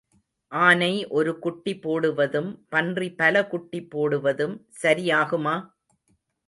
ஆனை ஒரு குட்டி போடுவதும் பன்றி பல குட்டி போடுவதும் சரி ஆகுமா?